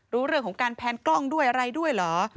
รู้เรื่องของการแพนกล้องด้วยอะไรด้วยเหรอ